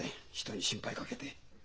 人に心配かけて。